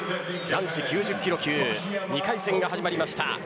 男子９０キロ級２回戦が始まりました。